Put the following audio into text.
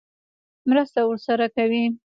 مرسته ورسره کوي.